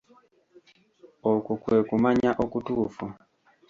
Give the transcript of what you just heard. Okwo kwe kumanya okutuufu.